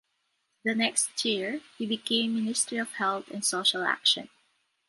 The next year, he became Ministry of Health and Social Action.